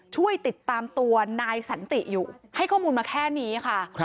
ช่วยติดตามตัวนายสันติอยู่ให้ข้อมูลมาแค่นี้ค่ะ